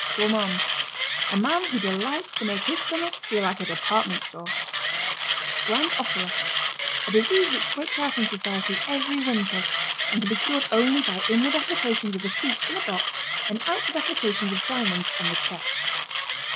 GOURMAND. A man who delights to make his stomach feel like a department store. GRAND OPERA. A disease which breaks out in society every winter and can be cured only by inward applications of a seat in a box and outward applications of diamonds on the chest.